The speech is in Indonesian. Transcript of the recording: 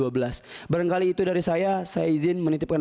barangkali itu dari saya saya izin menitipkan